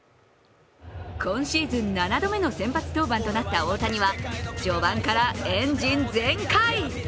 今シーズン７度目の先発登板となった大谷は序盤からエンジン全開！